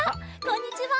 こんにちは。